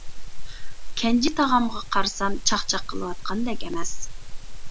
كەنجى تاغامغا قارىسام چاقچاق قىلىۋاتقاندەك ئەمەس.